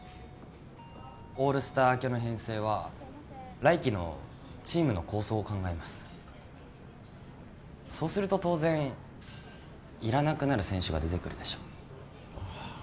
オールスター明けの編成は来季のチームの構想を考えますそうすると当然いらなくなる選手が出てくるでしょあっ